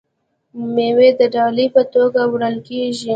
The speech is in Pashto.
میوې د ډالۍ په توګه وړل کیږي.